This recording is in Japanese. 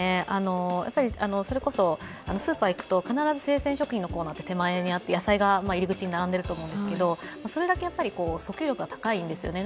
それこそスーパーへ行くと必ず生鮮食品のコーナーは手前にあって、野菜が入り口に並んでいると思うんですけどそれだけ訴求力が高いんですよね。